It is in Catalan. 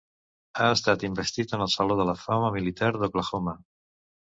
Ha estat investit en el Saló de la Fama militar d'Oklahoma.